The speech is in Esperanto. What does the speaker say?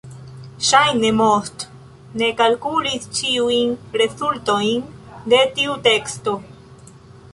Ŝajne Most ne kalkulis ĉiujn rezultojn de tiu teksto.